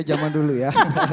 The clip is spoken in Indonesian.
zaman dulu ya